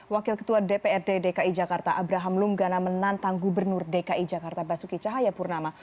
wakil ketua dprd dki jakarta abraham lunggana menantang gubernur dki jakarta basuki cahayapurnama